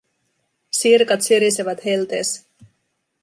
Sirkat sirisevät helteessä.